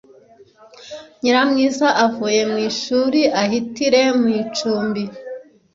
Nyiramwiza: Avuye mu ishuri ahitire mu icumbi